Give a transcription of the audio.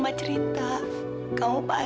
mengharui semua orang